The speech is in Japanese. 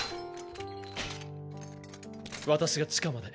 私が地下まで。